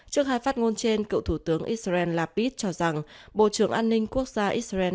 trước hai phát ngôn trên cựu thủ tướng israel lapid cho rằng bộ trưởng an ninh quốc gia israel